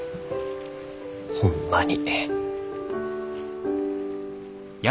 ホンマに。